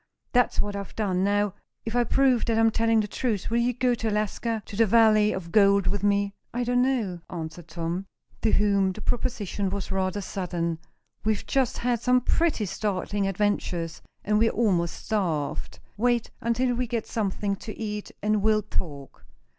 That's what I've done. Now, if I prove that I'm telling the truth, will you go to Alaska to the valley of gold with me?" "I don't know," answered Tom, to whom the proposition was rather sudden. "We've just had some pretty startling adventures, and we're almost starved. Wait until we get something to eat, and we'll talk.